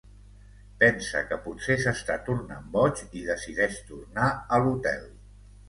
Pensa que potser s'està tornant boig i decideix tornar a l'hotel.